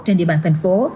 trên địa bàn thành phố